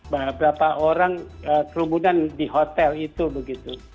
berapa orang kerumunan di hotel itu begitu